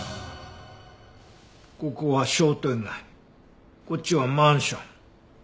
ここは商店街こっちはマンション。